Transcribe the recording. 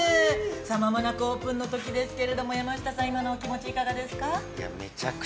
間もなくオープンですけれども、山下さん、今のお気持ち、いかがですか。